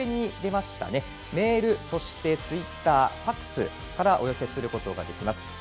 メール、そしてツイッターＦＡＸからお寄せすることができます。